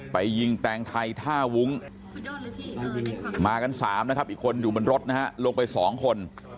ไปยิงแตงไทยท่าวุ้งมากัน๓นะครับอีกคนอยู่บนรถนะฮะลงไป๒คน